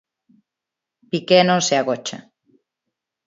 Piqué non se agocha.